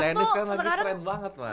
tenis kan lagi keren banget mas